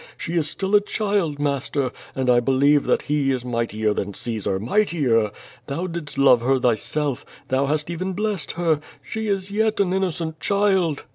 She is still a child, master, and I believe that H^ is mightier than Caesar, mightier! Thou didst love her thyself. Thou hast even blessed her! She is yet an innocent child!'